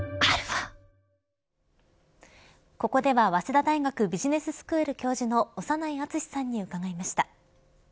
ここでは早稲田大学ビジネススクール教授の長内厚さんに伺いました。